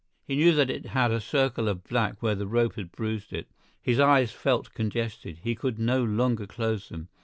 He knew that it had a circle of black where the rope had bruised it. His eyes felt congested; he could no longer close them.